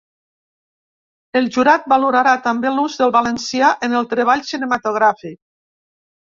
El jurat valorarà també l’ús del valencià en el treball cinematogràfic.